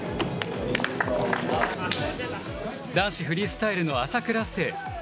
男子フリースタイルの朝倉聖。